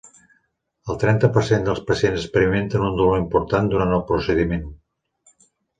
El trenta per cent dels pacients experimenten un dolor important durant el procediment.